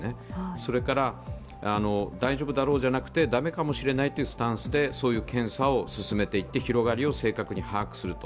それから大丈夫だろうじゃなくて駄目かもしれないというスタンスでそういう検査を進めていって、広がりを正確に把握すると。